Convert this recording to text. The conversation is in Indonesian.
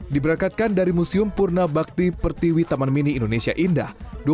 diberangkatkan dari museum purna bakti pertiwi taman mini indonesia indah